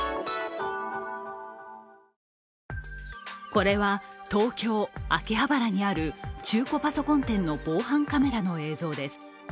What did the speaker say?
これは東京・秋葉原にある中古パソコン店の防犯カメラの映像です。